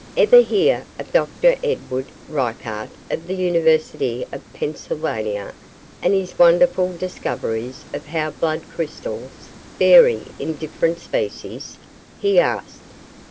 "Ever hear of Dr. Edward Reichert of the University of Pennsylvania and his wonderful discoveries of how blood crystals vary in different species?" he asked.